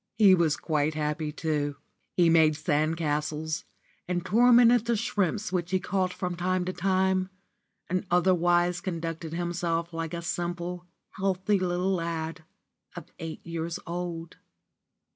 He was quite happy too. He made sand castles, and tormented the shrimps which he caught from time to time, and otherwise conducted himself like a simple, healthy little lad of eight years old.